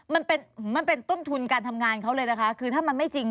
มันเป็นมันเป็นต้นทุนการทำงานเขาเลยนะคะคือถ้ามันไม่จริง